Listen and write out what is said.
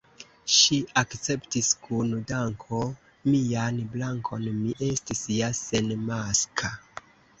Ŝi akceptis kun danko mian brakon: mi estis ja senmaska.